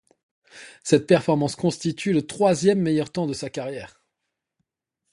Cette performance constitue le troisième meilleur temps de sa carrière.